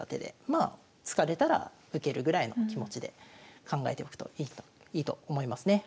まあ突かれたら受けるぐらいの気持ちで考えておくといいと思いますね。